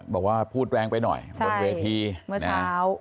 บอกว่าพูดแรงไปหน่อยบนเวทีเมื่อเช้า